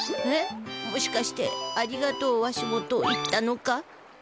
えっもしかして「ありがとうわしも」と言ったのか？